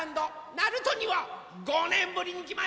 鳴門には５ねんぶりにきました！